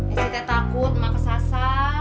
eh si teh takut emang kesasar